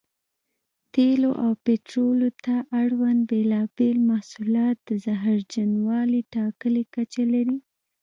تېلو او پټرولیم ته اړوند بېلابېل محصولات د زهرجنوالي ټاکلې کچه لري.